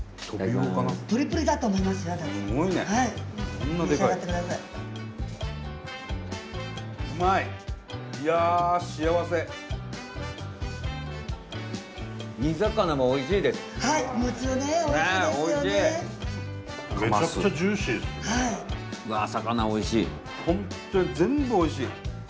ほんとに全部おいしい！